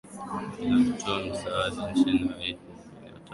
inayotoa misaada nchini haiti na inatambulika